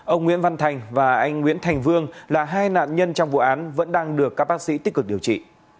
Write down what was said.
ông nguyễn văn thành và anh nguyễn thành vương là hai nạn nhân trong vụ án vẫn đang được các bác sĩ tích cực điều trị